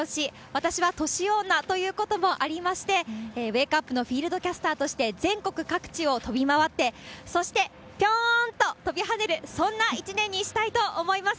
私は年女ということもありまして、ウェークアップのフィールドキャスターとして、全国各地を飛び回って、そして、ぴょーんと飛び跳ねる、そんな一年にしたいと思います。